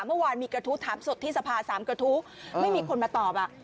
เมื่อวานมีกระทู้ถามสดที่สภาสามกระทู้ไม่มีคนมาตอบ